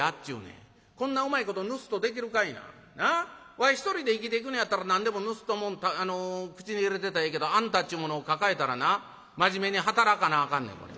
わい一人で生きていくのやったら何でもぬすんだもん口に入れてたらええけどあんたっちゅう者を抱えたらな真面目に働かなあかんねんこれ。